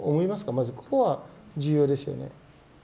まずここは重要ですよね。